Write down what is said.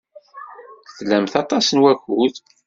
Tlamt aṭas n wakud.